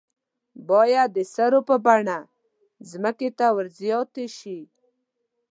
باید د سرو په بڼه ځمکې ته ور زیاتې شي.